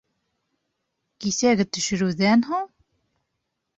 Кисәге төшөрөүҙән һуң?